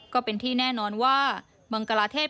ก็เป็นที่แน่นอนว่ามังกลาเทศ